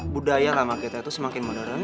budaya lama kita itu semakin modern